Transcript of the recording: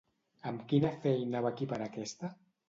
Amb quina feina va equiparar aquesta?